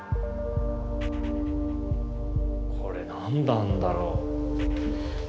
これ何なんだろう？